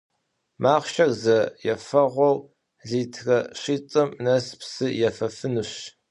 Махъшэр зэ ефэгъуэу литрэ щитIым нэс псы ефэфынущ.